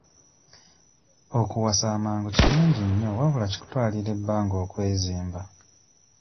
Okuwasa amangu kirungi nnyo wabula kikutwalira ebbanga okwezimba.